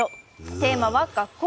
テーマは「学校」。